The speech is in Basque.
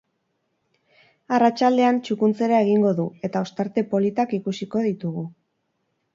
Arratsaldean txukuntzera egingo du eta ostarte politak ikusiko ditugu.